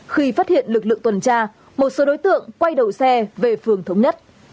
khi phát hiện lực lượng tuần tra một số đối tượng quay đầu xe về phường thống nhất